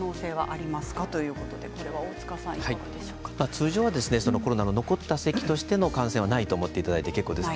通常はコロナの残ったせきとしての感染はないと思っていただいて結構です。